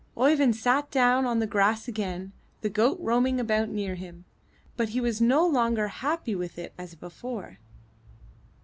Oeyvind sat down on the grass again, the goat roaming about near him, but he was no longer as happy with it as before.